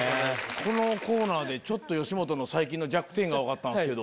このコーナーでちょっと吉本の最近の弱点が分かったんですけど。